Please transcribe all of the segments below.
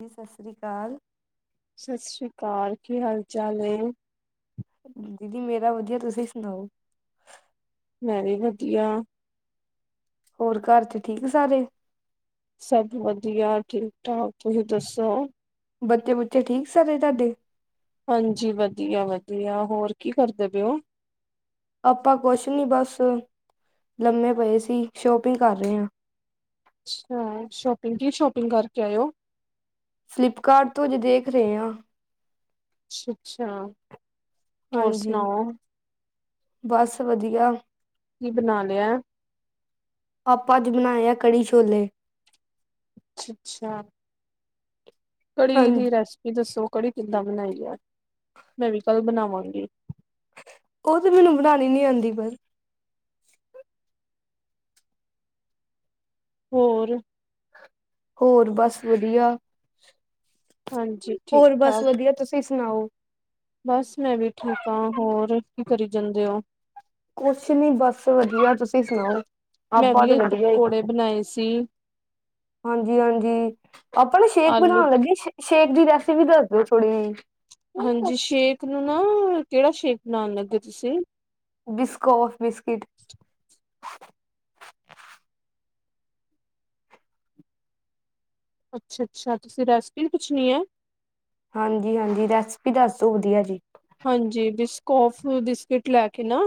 ਜੀ, ਸਾਸ ਰੀ ਕਾਲ ਸਸ ਰੀ ਕਾਲ, ਕੀ ਹਾਲ ਚਾਲ ਏ? ਦੀਦੀ, ਮੇਰਾ ਵਧੀਆ, ਤੁਸੀਂ ਸੁਣਾਓ? ਮੈਂ, ਵੀ ਵਧੀਆ ਹੋਰ ਘਰ 'ਚ, ਠੀਕ ਸਾਰੇ ਸਭ ਵਧੀਆ, ਠੀਕ -ਠਾਕ ਤੁਸੀਂ ਦੱਸੋ? ਬੱਚੇ -ਬੁੱਚੇ ਠੀਕ ਸਾਰੇ ਤਾਡੇ ਹਾਂਜੀ, ਵਧੀਆ -ਵਧੀਆ ਹੋਰ ਕੀ ਕਰਦੇ ਪੇ ਓ? ਆਪਾਂ ਕੁਛ ਨਈ, ਬਸ ਲੰਮੇ ਪਏ ਸੀ। ਸ਼ੋਪਿੰਗ ਕਰ ਰੇ ਆਂ ਅੱਛਾ ਸ਼ੋਪਿੰਗ, ਕੀ ਸ਼ੋਪਿੰਗ ਕਰਕੇ ਆਏ ਓ ਫਲਿੱਪਕਾਰਟ ਤੋਂ, ਅਜੇ ਦੇਖ ਰ‌ਏ ਆਂ ਅੱਛਾ- ਅੱਛਾ ਹੋਰ ਹਾਂਜੀ, ਸੁਣਾਓ ਬਸ ਵਧੀਆ ਕੀ, ਬਣਾ ਲਿਆ? ਆਪਾਂ, ਅੱਜ ਬਣਾਇਆ ਕੜੀ- ਛੋਲੇ ਅੱਛਾ -ਅੱਛਾ ਕੜੀ ਦੀ ਹਾਂਜੀ ਰੈਸਪੀ ਦੱਸੋ, ਕੜੀ ਕਿੱਦਾਂ ਬਣਾਈ ਦੀ, ਮੈਂ ਵੀ ਕੱਲ ਬਣਾਵਾਂਗੀ ਓ ਤੇ ਮੈਨੂੰ ਬਣਾਣੀ ਨਈ, ਆਂਦੀ ਪਰ ਹੋਰ ਹੋਰ ਬਸ ਵਧੀਆ ਹਾਂਜੀ। ਠੀਕ ਹੋਰ ਬਸ ਠਾਕ ਵਧੀਆ, ਤੁਸੀਂ ਸੁਣਾਓ? ਬਸ, ਮੈਂ ਵੀ ਠੀਕ ਆਂ,। ਹੋਰ ਕੀ ਕਰੀ ਜਾਂਦੇ ਓ? ਕੁਛ ਨਈ ਬਸ, ਵਧੀਆ ਤੁਸੀਂ ਸੁਣਾਓ? ਮੈਂ ਵੀ ਅਜ ਪਕੌੜੇ ਬਣਾਏ ਸੀ। ਹਾਂਜੀ- ਹਾਂਜੀ ਆਪਾਂ ਨਾ ਸ਼ੇਕ ਆਲੂ ਬਣਾਣ ਲੱਗੇ ਸੇਕ ਸ਼ੇਕ ਦੀ ਰੈਸਿਪੀ, ਦੱਸ ਦਿਓ ਥੋੜ੍ਹੀ ਜਿਹੀ ਹਾਂਜੀ, ਸ਼ੇਕ ਨੂੰ ਨਾ, ਕਿਹੜਾ ਸ਼ੇਕ ਬਣਾਣ ਲੱਗੇ ਤੁਸੀਂ? ਬਿਸਕੋਫ- ਬਿਸਕਿਟ ਅੱਛਾ -ਅੱਛਾ ਤੁਸੀਂ ਰੈਸਪੀ ਪੁੱਛਣੀ ਏ ਹਾਂਜੀ- ਹਾਂਜੀ ਰੈਸਪੀ, ਦੱਸ ਦੋ ਵਧੀਆ ਜੀ ਹਾਂਜੀ, ਬਿਸਕੌਫ ਬਿਸਕਿਟ ਲੈ ਕੇ ਨਾ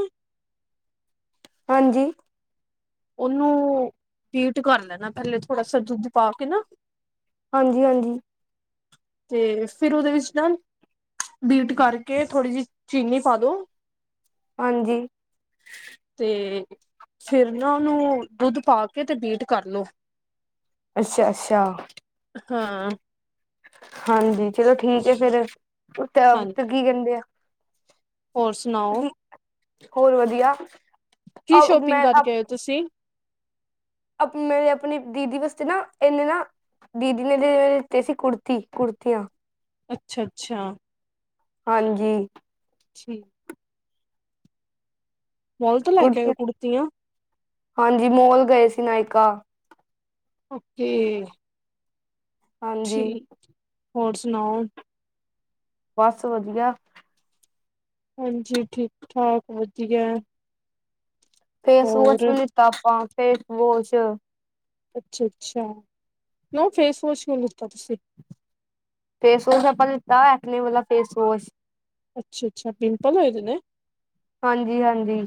ਹਾਂਜੀ। ਓਨੂੰ ਬੀਟ ਕਰ ਲੈਣਾ, ਪਹਿਲੇ ਥੋੜਾ ਸਾ ਦੁੱਧ ਪਾ ਕੇ ਨਾ ਹਾਂਜੀ -ਹਾਂਜੀ ਤੇ, ਫਿਰ ਓਦੇ ਵਿੱਚ ਨਾ ਬੀਟ ਕਰਕੇ, ਥੋੜ੍ਹੀ ਜੀ ਚੀਨੀ ਪਾ ਦੋ ਹਾਂਜੀ। ਤੇ ਫਿਰ ਨਾ ਓਨੂੰ, ਦੁੱਧ ਪਾ ਕੇ ਤੇ ਬੀਟ ਕਰ ਲੋ ਹਾਂ ਅੱਛਾ-ਅੱਛਾ-ਹਾਂਜੀ ਚਲੋ ਠੀਕ ਐ ਫਿਰ, ਓਤਵ ਹਾਂਜੀ ਫਿਰ ਕੀ ਕੈਂਦੇ ਆ ਹੋਰ ਸੁ- ਹੋਰ ਵਦੀਆ ਕੀ ਸ਼ੋਪਿੰਗ ਕਰਕੇ ਆਏ ਓ ਤੁਸੀਂ? ਅਪਨੇ, ਅਪਨੇ ਦੀਦੀ ਵਸਤੇ ਨਾ, ਏਨੇ ਨਾ- ਦੀਦੀ ਨੇ ਤੇ ਲਿਤੇ ਸੀ ਕੁੜਤੀ- ਕੁੜਤੀਆਂ। ਅੱਛਾ-ਅੱਛਾ ਹਾਂਜੀ ਠੀਕ ਮੋਲ ਤੋਂ ਲੈ ਕੇ ਆਏ ਕੁੜਤੀਆਂ? ਹਾਂਜੀ ਮੋਲ ਗਏ ਸੀ ਨਾਇਕਾ ਓਕੇ ਹਾਂਜੀ ਠੀਕ, ਹੋਰ ਸੁਨਾਓ ਬਸ ਵਦੀਯਾ ਹਾਂਜੀ ਠੀਕ- ਠਾਕ ਵਧੀਆ ਫੇਸ ਹੋਰ ਵੋਸ਼ ਵੀ ਲਿੱਤਾ ਆਪਾਂ ਫੇਸ ਵੋਸ਼ ਅੱਛਾ-ਅੱਛਾ, ਕਿਉਂ ਫੇਸ ਵਾਸ਼ ਕਿਉਂ ਲੀਤਾ ਤੁਸੀਂ ਫੇਸ ਵੋਸ਼ ਆਪਾਂ ਲਿੱਤਾ ਏਕਨੇ ਵਾਲਾ ਫੇਸ ਵਾਸ਼ ਅੱਛਾ-ਅੱਛਾ ਪਿੰਪਲ ਹੋਏ ਦੇ ਨੇ? ਹਾਂਜੀ-ਹਾਂਜੀ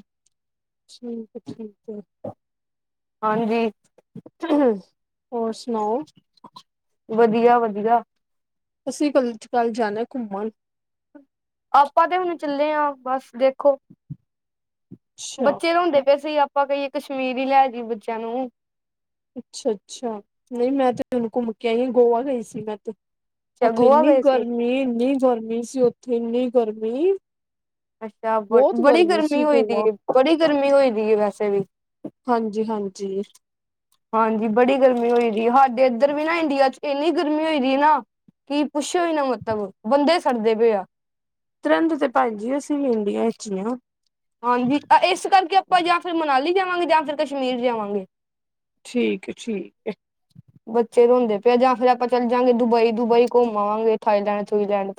ਠੀਕ ਆ ਠੀਕ ਏ ਹਾਂਜੀ ਹੋਰ ਸੁਨਾਓ ਵਧੀਆ-ਵਧੀਆ ਅਸੀਂ ਕੱਲ-ਕੱਲ ਜਾਣਾ ਘੁੰਮਣ ਆਪਾਂ ਤੇ ਹੁਣ ਚੱਲੇ ਹਾਂ ਬਸ ਦੇਖੋ ਅੱਛਾ ਬੱਚੇ ਰੋਂਦੇ ਪਏ ਸੀ ਆਪਾਂ ਕਹੀਏ ਕਸ਼ਮੀਰ ਈ ਲੈ ਜਈਏ ਬੱਚਿਆਂ ਨੂੰ ਅੱਛਾ-ਅੱਛਾ ਨਈ ਮੈਂ ਤੇ ਹੁਨ ਘੁੰਮ ਕੇ ਆਈ ਗੋਆ ਗਈ ਸੀ ਮੈਂ ਤੇ ਅੱਛਾ ਓਥੇ ਗੋਆ ਇੰਨੀ ਗਏ ਸੀ ਗਰਮੀ-ਇੰਨੀ ਗਰਮੀ ਸੀ ਓਥੇ ਇੰਨੀ ਗਰਮੀ ਅੱਛਾ ਬ ਬਹੁਤ ਬੜੀ ਗਰਮੀ ਸੀ ਹੋਇ ਦੀ ਗੋਆ ਏ ਬੜੀ ਗਰਮੀ ਹੋਈ ਦੀ ਵੈਸੇ ਵੀ ਹਾਂਜੀ-ਹਾਂਜੀ ਹਾਂਜੀ ਬੜੀ ਗਰਮੀ ਹੋਈ ਦੀ ਅ, ਸਾਡੇ ਇੱਧਰ ਵੀ ਨਾ ਇੰਡੀਆ ਚ' ਏਨੀ ਗਰਮੀ ਹੋਈ ਦੀ ਏ ਨਾ ਕੀ ਪੁੱਛੋ ਇ ਨਾ ਮਤਲਬ ਬੰਦੇ ਸੜਦੇ ਪਏ ਆ ਤੇ ਰੇਂਦੇ ਤੇ ਪੈਂਜੀ ਅਸੀਂ ਵੀ ਇੰਡੀਆ ਇਚ ਹੀ ਆ ਹਾਂਜੀ, ਏਸ ਕਰਕੇ ਆਪਾਂ ਜਾਂ ਫਿਰ ਮਨਾਲੀ ਜਾਵਾਂਗੇ ਜਾਂ ਫਿਰ ਕਸ਼ਮੀਰ ਜਾਵਾਂਗੇ ਠੀਕ ਹੈ-ਠੀਕ ਏ ਬੱਚੇ ਰੋਂਦੇ ਪਏ ਆ ਜਾਂ ਫੇਰ ਆਪਾਂ ਚੱਲ ਜਾਂਗੇ ਦੁਬਈ-ਦੁਬਈ ਘੁੰਮ ਆਵਾਂਗੇ ਥਾਈਲੈਂਡ ਥੂਈਲੈਂਡ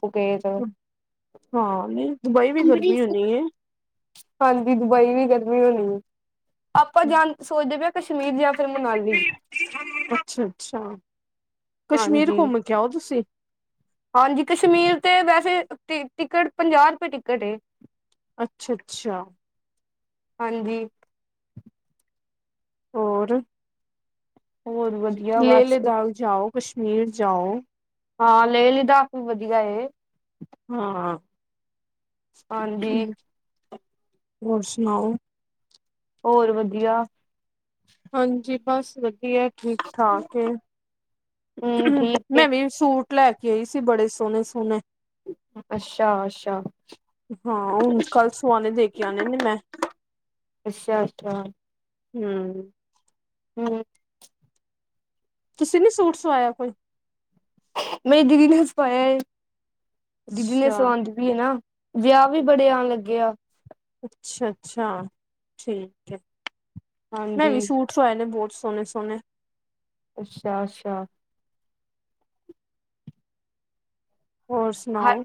ਹਾਂ ਨਈ ਦੁਬਈ ਵੀ ਗਰਮੀ ਅੰਮ੍ਰਿਤਸਰ ਹੋਨੀ ਅ। ਹਾਂਜੀ, ਦੁਬਈ ਵੀ ਗਰਮੀ ਹੋਣੀ ਏ। ਆਪਾਂ ਜਾਂ ਸੋਚਦੇ ਪਏ ਕਸ਼ਮੀਰ ਜ ਤੇ ਮਨਾਲੀ ਅੱਛਾ-ਅੱਛਾ ਕਸ਼ਮੀਰ ਹਾਂਜੀ ਘੁੰਮ ਕੇ ਆਓ ਤੁਸੀਂ ਹਾਂਜੀ ਕਸ਼ਮੀਰ ਤੇ ਵੈਸੇ ਟੀ ਟਿਕਟ ਪੰਜਾ ਰੁਪਏ ਟਿਕਟ ਏ ਅੱਛਾ-ਅੱਛਾ ਹਾਂਜੀ ਹੋਰ ਹੋਰ ਵਧੀਆ ਲੇਹ ਬਸ ਲਦਾਖ ਜਾਓ, ਕਸ਼ਮੀਰ ਜਾਓ ਹਾਂ ਲੈ ਲਦਕ ਵੀ ਵਧੀਆ ਐ। ਹਾਂ, ਹਾਂਜੀ ਹੋਰ ਸੁਣਾਓ? ਹੋਰ ਵਧੀਆ। ਹਾਂਜੀ ਬਸ ਵਧੀਆ ਠੀਕ- ਠਾਕ ਹਮ ਹੈ ਠੀਕ ਏ ਮੈਂ ਵੀ ਸੂਟ ਲੈ ਕੇ ਆਈ ਸੀ, ਬੜੇ ਸੋਹਣੇ-ਸੋਹਣੇ। ਅੱਛਾ-ਅੱਛਾ। ਹਾਂ ਹੁਣ ਕੱਲ ਸੂਆਣੇ ਦੇ ਕੇ ਆਨੇ ਨੇ ਮੈਂ। ਅੱਛਾ-ਅੱਛਾ। ਹੂ। ਹੂ। ਤੁਸੀਂ ਨੀ ਸੂਟ ਸਵਾਇਆ ਕੋਈ? ਮੇਰੀ ਦੀਦੀ ਨੇ ਸਫਾਇਆ, ਦੀਦੀ ਨੇ ਅੱਛਾ ਸਵਾਦੀ ਪਈ ਵੀ ਐ ਨਾ। ਵਿਆਹ ਵੀ ਬੜੇ ਆਣ ਲੱਗੇ ਐ। ਅੱਛਾ -ਅੱਛਾ, ਠੀਕ ਐ ਕੇ ਮੈਂ ਵੀ ਹਾਂਜੀ ਸੂਟ ਸੁਆਏ ਨੇ ਬਹੁਤ ਸੋਹਣੇ -ਸੋਹਣੇ। ਅੱਛਾ- ਅੱਛਾ। ਹੋਰ ਹ ਸੁਣਾਓ?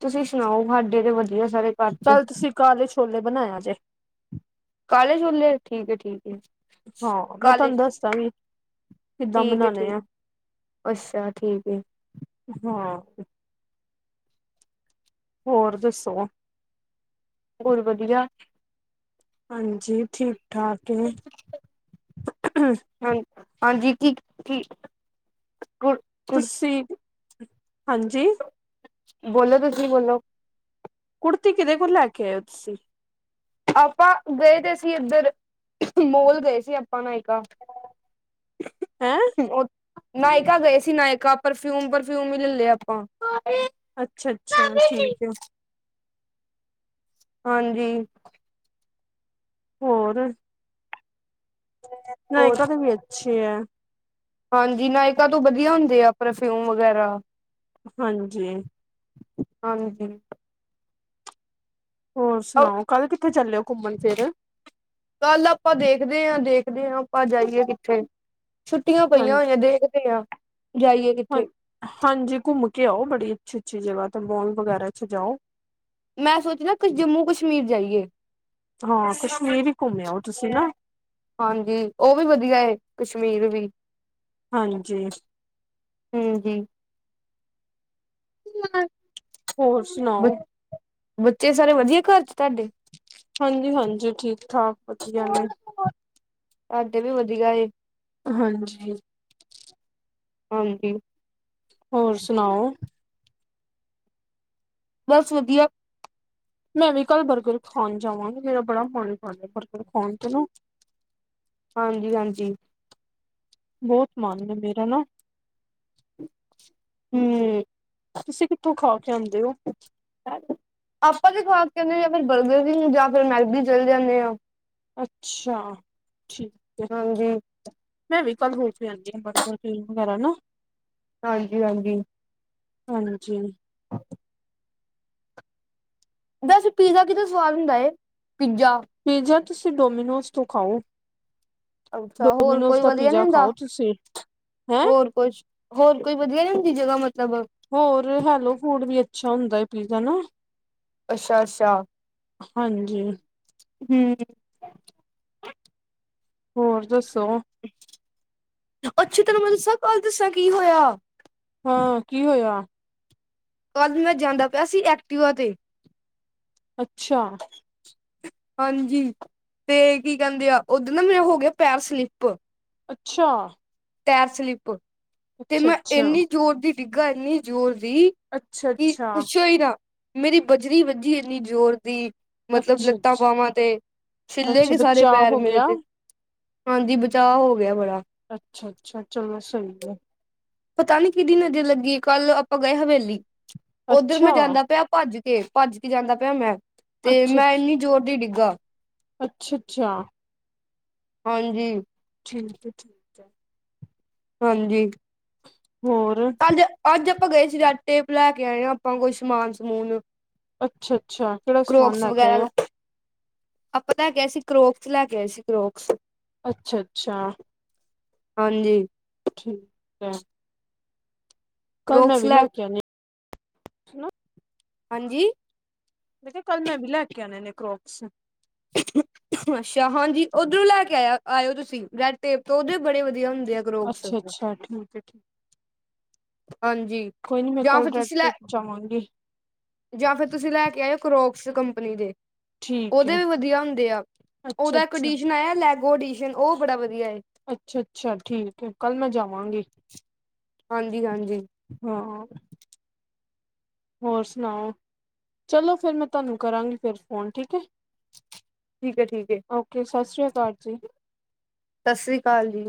ਤੁਸੀਂ ਸੁਣਾਓ? ਹਾਡੇ ਤੇ ਵਧੀਆ ਸਾਰੇ। ਘਰ ਚ ਕੱਲ ਤੇ ਤੁਸੀਂ ਕਾਲੇ ਛੋਲੇ ਬਣਾਇਆ ਜੇ। ਕਾਲੇ ਛੋਲੇ ਠੀਕ ਹੈ ਠੀਕ। ਹਾਂ ਮੈਂ ਕਾਲੇ ਤੁਹਾਨੂੰ ਦੱਸਦਾਂ ਗੀ। ਠੀਕ ਹੈ ਠੀਕ, ਅੱਛਾ ਠੀਕ ਐ। ਹਾਂ। ਹੋਰ ਦੱਸੋ? ਹੋਰ ਵਧੀਆ? ਹਾਂਜੀ, ਠੀਕ- ਠਾਕ। ਹੈ ਹਾਂ ਹਾਂਜੀ ਕੀ ਠੀ ਗੂਡ ਤੁਸੀਂ, ਹਾਂਜੀ ਬੋਲੋ ਤੁਸੀਂ ਬੋਲੋ? ਕੁੜਤੀ ਕਿਹਦੇ ਕੋਲ ਲੈ ਕੇ ਆਏ ਹੋ ਤੁਸੀਂ? ਆਪਾਂ ਗਏ ਤੇ ਸੀ, ਇੱਧਰ ਮੋਲ ਗਏ ਸੀ ਆਪਾਂ ਨਾ ਹੈਂ [unintelligible] ਨਾਇਕਾ ਗਏ ਸੀ, ਨਾਇਕਾ ਪਰਫਿਊਮ, ਪਰਫਿਊਮ ਹੀ ਲੈ ਲਿਆ ਆਪਾਂ। ਅੱਛਾ-ਅੱਛਾ ਠੀਕ ਹੈ। ਹਾਂਜੀ। ਹੋਰ? ਹੋਰ ਨਾਇਕਾ ਦੇ ਵੀ ਅੱਛੇ ਐ। ਹਾਂਜੀ, ਨਾਇਕਾਾਂ ਤੋਂ ਵਧੀਆ ਹੁੰਦੇ, ਆ ਪਰਫਿਊਮ ਵਗੈਰਾ। ਹਾਂਜੀ। ਹਾਂਜੀ। ਹੋਰ ਸੁਣਾਓ? ਕੱਲ ਕਿੱਥੇ ਚਾਲੇ ਘੁੰਮਣ ਫਿਰ? ਕੱਲ ਆਪਾਂ ਦੇਖਦੇ ਐ, ਦੇਖਦੇ ਐ ਆਪਾਂ ਜਾਈਏ ਕਿੱਥੇ? ਛੁੱਟੀਆਂ ਪਈਆਂ ਹਾਂਜੀ ਹੋਈਆਂ, ਦੇਖਦੇ ਐ ਜਾਈਏ ਹਾਂ ਕਿੱਥੇ ਹਾਂਜੀ ਘੁੰਮ ਕੇ ਆਓ, ਬੜੀ ਅੱਛੀ -ਅੱਛੀ ਜਗ੍ਹਾ ਤੇ ਮੋਲ ਵਗੈਰਾ ਚ ਜਾਓ। ਮੈਂ ਸੋਚਦਾ ਕੁ ਜੰਮੂ- ਕਸ਼ਮੀਰ ਜਾਈਏ। ਹਾਂ ਕਸ਼ਮੀਰ ਵੀ ਘੁੰਮਿ ਆਓ ਤੁਸੀਂ ਨਾ ਹਾਂਜੀ, ਉਹ ਵੀ ਵਧੀਆ ਕਸ਼ਮੀਰ ਵੀ। ਹਾਂਜੀ। ਹੂੰ--ਹੂੰ [unintelligible] ਹੋਰ ਬ ਸੁਣਾਓ? ਬੱਚੇ ਸਾਰੇ ਵਧੀਆ, ਘਰ ਚ ਤੁਹਾਡੇ? ਹਾਂਜੀ, ਹਾਂਜੀ, ਠੀਕ- ਠਾਕ ਵਧੀਆ ਨੇ। ਤਾਡੇ ਵੀ ਵਧੀਆ ਏ। ਹਾਂਜੀ। ਹਾਂਜੀ, ਹੋਰ ਸੁਣਾਓ? ਬਸ ਵਧੀਆ। ਮੈਂ ਵੀ ਕੱਲ ਬਰਗਰ ਖਾਣ ਜਾਵਾਂਗੀ, ਮੇਰਾ ਬੜਾ ਮਨ ਕਰਦਾ ਐ, ਬਰਗਰ ਖਾਣ ਚਨਾ ਹਾਂਜੀ, ਹਾਂਜੀ। ਬੋਤ ਮਨ ਏ ਮੇਰਾ ਨਾ ਹੂੰਮ ਮ ਤੁਸੀਂ ਕਿੱਥੋਂ ਖਾ ਕੇ ਆਂਦੇ ਓ? ਆਪਾਂ ਤੇ ਖਾ ਕੇ ਆਂਦੇ ਆ ਜਾਂ ਫਿਰ ਬਰਗਰ ਕਿੰਗ, ਜਾਂ ਫਿਰ ਮੈਗਜੀ ਚਲੇ ਜਾਂਦੇ ਆ। ਅੱਛਾ, ਠੀਕ ਏ। ਹਾਂਜੀ ਮੈਂ ਵੀ ਕੱਲ ਹੋਰ ਕੇ ਆਦੀ ਆ ਬਰਗਰ- ਕਿੰਗ ਵਗੈਰਾ ਨਾ। ਹਾਂਜੀ, ਹਾਂਜੀ ਹਾਂਜੀ। ਦੱਸ ਪੀਜ਼ਾ ਕੀਦਾ ਸਵਾਦ ਹੁੰਦਾ ਏ, ਪੀਜ਼ਾ। ਪੀਜ਼ਾ ਤੁਸੀਂ ਡੋਮੀਨੋਜ਼ ਤੋਂ ਖਾਓ। ਅੱਛਾ, ਹੋਰ ਡੋਮੀਨੋਜ਼ ਕੋਈ ਦਾ ਵਧੀਆ ਨੀ ਪੀਜ਼ਾ ਹੁੰਦਾ। ਖਾਓ ਤੁਸੀਂ ਹੈਂ ਹੋਰ ਕੁੱਛ, ਹੋਰ ਕੋਈ ਵਧੀਆ ਨੀ ਹੁੰਦੀ ਜਗ੍ਹਾ ਮਤਲਬ। ਹੋਰ ਹੈਲੋ- ਫੂਡ ਵੀ ਅੱਛਾ ਹੁੰਦਾ ਏ ਪੀਜ਼ਾ ਨਾ। ਅੱਛਾ, ਅੱਛਾ ਹਾਂਜੀ। ਹੂੰਮ ਹੋਰ ਦੱਸੋ? ਅੱਛਾ, ਤੈਨੂੰ ਮੈਂ ਦੱਸਾਂ ਕੱਲ ਦੱਸਾ ਕੀ ਹੋਇਆ। ਹਾਂ ਕੀ ਹੋਇਆ? ਕੱਲ ਮੈਂ ਜਾਂਦਾ ਪਿਆ ਸੀ ਐਕਟਿਵਾ ਤੇ। ਅੱਛਾ। ਹਾਂਜੀ, ਤੇ ਕੀ ਕੈਂਦੇ ਆ, ਉੱਧ ਨਾ ਮੇਰੇ ਹੋ ਗਿਆ ਪੈਰ ਸਲਿੱਪ। ਅੱਛਾ। ਟੈਰ ਸਲਿਪ ਤੇ ਅੱਛਾ ਮੈਂ ਅੱਛਾ ਇੰਨੀ ਜ਼ੋਰ ਦੀ ਡਿੱਗਾ, ਇੰਨੀ ਜ਼ੋਰ ਦੀ। ਅੱਛਾ, ਕਿ ਅੱਛਾ ਪੁੱਛੋ ਹੀ ਨਾ ਮੇਰੀ ਬਜਰੀ ਵੱਜੀ ਇੰਨੀ ਜ਼ੋਰ ਦੀ ਮਤਲਬ ਅੱਛਾ ਲੱਤਾਂ ਅੱਛਾ ਬਾਵਾਂ ਤੇ। ਛਿੱਲੇ ਅੱਛਾ ਗੇ ਸਾਰੇ ਬਚਾਅ ਪੈਰ ਹੋ ਮੇਰੇ ਗਿਆ ਤੇ, ਹਾਂਜੀ ਬਚਾਅ ਹੋ ਗਿਆ ਬੜਾ। ਅੱਛਾ, ਅੱਛਾ ਚਲੋ ਸਈ ਐ। ਪਤਾ ਨੀ ਕਿਦੀ ਨਜ਼ਰ ਲੱਗੀ, ਕੱਲ ਆਪਾਂ ਗਏ ਹਵੇਲੀ ਉੱਧਰ ਅੱਛਾ ਮੈਂ ਜਾਂਦਾ ਪਿਆ। ਭੱਜ ਕੇ, ਭੱਜ ਕੇ ਜਾਂਦਾ ਪਿਆ ਮੈਂ ਤੇ ਮੈਂ ਇੰਨੀ ਜ਼ੋਰ ਦੀ ਡਿੱਗਾ। ਅੱਛੇ, ਅਛੇਆ। ਹਾਂਜੀ। ਠੀਕ ਐ ਠੀ ਹਾਂਜੀ। ਹੋਰ? ਅੱਜ-ਅੱਜ ਆਪਾਂ ਗਏ ਸੀ ਆ ਰੈਡ ਟੇਪ, ਲੈ ਕੇ ਆਏ ਆ ਆਪਾਂ ਕੋਈ ਸਮਾਨ-ਸਮੂਨ। ਅੱਛਾ-ਅੱਛਾ, ਕੇੜਾ ਸਮਾਨ ਲੈ ਕੇ ਆਇਓ? ਆਪਾਂ ਲੈ ਕੇ ਆਏ ਸੀ ਕਰੋਕਸ, ਲੈ ਕੇ ਆਏ ਸੀ ਕਰੋਕਸ। ਅੱਛਾ-ਅੱਛਾ। ਹਾਂਜੀ। ਠੀਕ ਐ। ਕੱਲ ਮੈਂ ਕਰੋਕਸ ਵੀ ਲੈ ਲੈਕੇ ਆਨੀ ਆ। ਹਾਂਜੀ? ਮੈਂ ਕਿਆ, ਕੱਲ ਮੈਂ ਵੀ ਲੈ ਕੇ ਆਣੇ ਨੇ ਕਰੋਕਸ। ਅੱਛਾ ਹਾਂਜੀ, ਉੱਧਰੋਂ ਲੈ ਕੇ ਆਇਆ ਆਇਓ ਤੁਸੀਂ ਰੈਡ ਟੇਪ ਤੋਂ, ਉਧਰੋਂ ਬੜੇ ਵਧੀਆ ਹੁੰਦੇ ਆ। ਕਰੋਕਸ ਅੱਛਾ-ਅੱਛਾ, ਠੀਕ ਐ ਠੀਕ। ਹਾਂਜੀ, ਕੋਈ ਨੀ ਮੈਂ ਜਾਂ ਕੱਲ ਫਿਰ ਰੈਡ ਤੁਸੀਂ ਲੈ ਟੇਪ ਜਾਵਾਂਗੀ ਜਾਂ ਫਿਰ ਤੁਸੀਂ ਲੈ ਕੇ ਆਏਓ ਕਰੋਕਸ, ਕੰਪਨੀ ਦੇ। ਠੀਕ ਓਦੇ ਹੈ ਵੀ ਵਧੀਆ ਹੁੰਦੇ ਆ। ਅੱਛਾ ਓਦਾ ਇੱਕ ਅੱਛਾ ਅਡੀਸ਼ਨ ਆਇਆ, ਲੈਗੋ ਅਡੀਸ਼ਨ, ਓ ਬੜਾ ਵਧੀਆ ਏ। ਅੱਛਾ-ਅੱਛਾ, ਠੀਕ ਐ, ਕੱਲ੍ਹ ਮੈਂ ਜਾਵਾਂਗੀ। ਹਾਂਜੀ, ਹਾਂਜੀ। ਹਾਂ। ਹੋਰ ਸੁਣਾਓ, ਚਲੋ ਫੇਰ ਮੈਂ ਤੁਹਾਨੂੰ ਕਰਾਂਗੀ ਫਿਰ ਫੋਨ, ਠੀਕ ਹੈ। ਠੀਕ ਏ, ਠੀਕ ਏ। ਓਕੇ, ਸਤਿ ਸ਼੍ਰੀ ਅਕਾਲ ਜੀ। ਸਤਿ ਸ਼੍ਰੀ ਅਕਾਲ ਜੀ।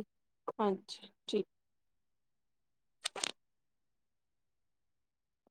ਹਾਂਜੀ, ਹਾਂਜੀ।